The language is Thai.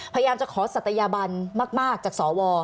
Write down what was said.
พยายามจะขอศัตยาบันมากจากสว